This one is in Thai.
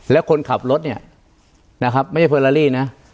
แล้วคนขับรถเนี่ยนะครับไม่ใช่เฟอร์ลารี่นะ